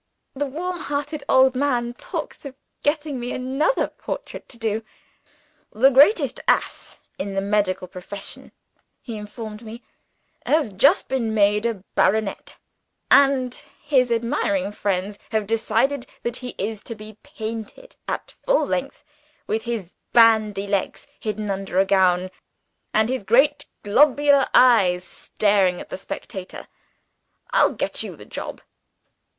The warm hearted old man talks of getting me another portrait to do. 'The greatest ass in the medical profession (he informed me) has just been made a baronet; and his admiring friends have decided that he is to be painted at full length, with his bandy legs hidden under a gown, and his great globular eyes staring at the spectator I'll get you the job.